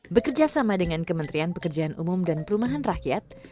bekerja sama dengan kementerian pekerjaan umum dan perumahan rakyat